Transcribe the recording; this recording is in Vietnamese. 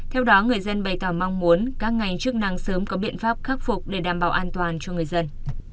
theo đó người dân bày tỏ mong muốn các ngành chức năng sớm có biện pháp khắc phục để đảm bảo an toàn cho người dân